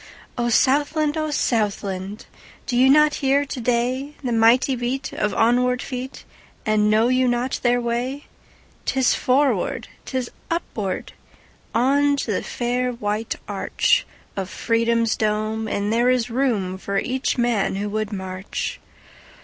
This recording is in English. O Southland! O Southland! Do you not hear to dayThe mighty beat of onward feet, And know you not their way?'Tis forward, 'tis upward, On to the fair white archOf Freedom's dome, and there is roomFor each man who would march.